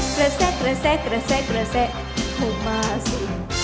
กระแซะกระแซะกระแซะกระแซะเข้ามาสิ